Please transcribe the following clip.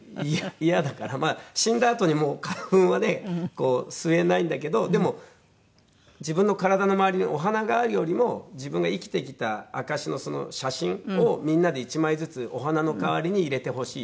まあ死んだあとにもう花粉はね吸えないんだけどでも自分の体の周りにお花があるよりも自分が生きてきた証しのその写真をみんなで１枚ずつお花の代わりに入れてほしい。